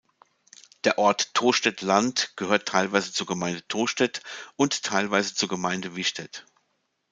Der Ort Tostedt Land gehört teilweise zur Gemeinde Tostedt und teilweise zur Gemeinde Wistedt.